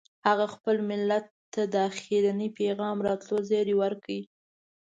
هغه خپل ملت ته د اخرني پیغمبر راتلو زیری ورکړ.